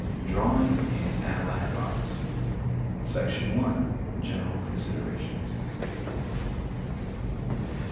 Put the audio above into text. DRAWING AND ALLIED ARTS. © Section i.—General Considerations.